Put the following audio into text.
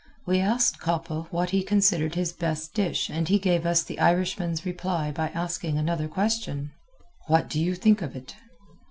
We asked Coppa what he considered his best dish and he gave us the Irishman's reply by asking another question: "What do you think of it?"